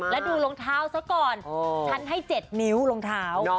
แล้วดูรองเท้าซะก่อนฉันให้๗นิ้วรองเท้า